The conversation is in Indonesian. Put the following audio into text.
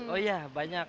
oh iya banyak